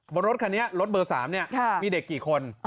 บนรถคันนี้รถเบอร์๓มีเด็กกี่คน